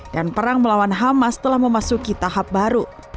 dan perang melawan hamas telah memasuki tahap baru